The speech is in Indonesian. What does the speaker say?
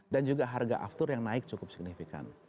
dan juga harga after yang naik cukup signifikan